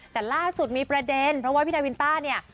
แต่ล่าสุดมีประเด็นเพราะว่าพี่นาวินต้าเนี่ย